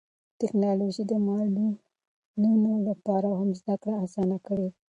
ټیکنالوژي د معلولینو لپاره هم زده کړه اسانه کړې ده.